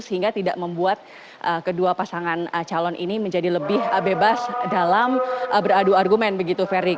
sehingga tidak membuat kedua pasangan calon ini menjadi lebih bebas dalam beradu argumen begitu ferdi